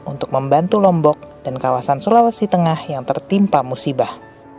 untuk membantu lombok dan kawasan sulawesi tengah yang tertimpa musibah